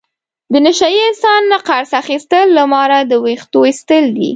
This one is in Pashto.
د نشه یي انسان نه قرض اخستل له ماره د وېښتو ایستل دي.